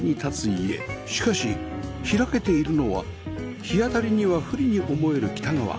しかし開けているのは日当たりには不利に思える北側